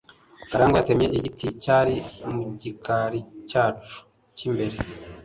karangwa yatemye igiti cyari mu gikari cyacu cy'imbere